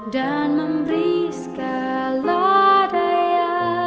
dan memberi segala daya